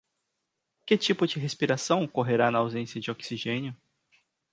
Que tipo de respiração ocorrerá na ausência de oxigênio?